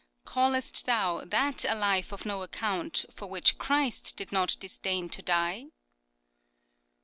(" Callest thou that a life of no account for which Christ did not disdain to die